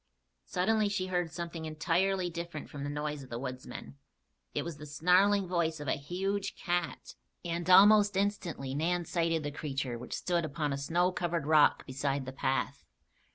Suddenly she heard something entirely different from the noise of the woodsmen. It was the snarling voice of a huge cat and almost instantly Nan sighted the creature which stood upon a snow covered rock beside the path.